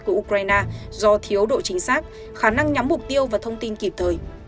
của ukraine do thiếu độ chính xác khả năng nhắm mục tiêu và thông tin kịp thời